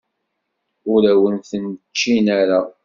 Ur awen-ten-ččin ara.